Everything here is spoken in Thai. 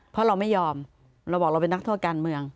เพราะเราไม่ยอมเราบอกเราเป็นนักโทษการเมือง